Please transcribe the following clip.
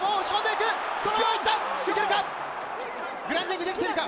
いけるか。